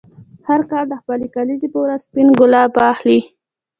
هر کال د خپلې کلیزې په ورځ سپین ګلاب واخلې.